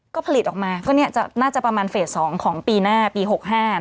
ก็ผลิตออกมาก็น่าจะประมาณเฟส๒ของปีหน้าปี๖๕